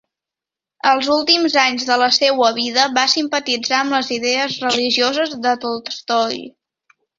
Als últims anys de la seua vida va simpatitzar amb les idees religioses de Tolstoi.